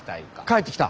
帰ってきた。